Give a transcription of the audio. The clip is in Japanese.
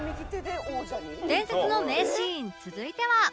伝説の名シーン続いては